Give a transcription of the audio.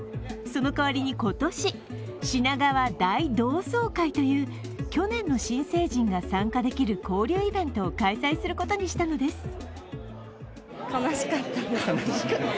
その代わりに今年、しながわ大同窓会という去年の新成人が参加できる交流イベントを開催することにしたのです。